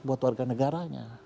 buat warga negaranya